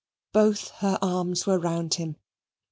Both her arms were round him.